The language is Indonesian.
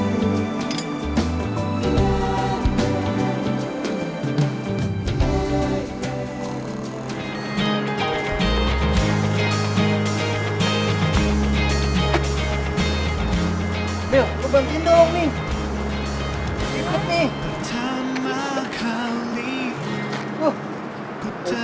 masih ngikat aja gak bisa